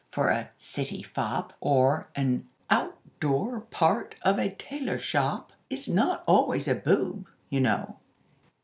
For a "city fop" or an "outdoor part of a tailor shop" is not always a boob, you know.